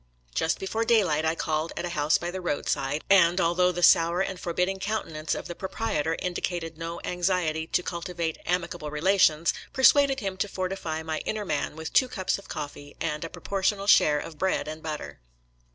Just before daylight I called at a house by the roadside, and, although the sour and for bidding countenance of the proprietor indicated no anxiety to cultivate amicable relations, per suaded him to fortify my inner man with two cups of coffee and a proportional share of bread and butter.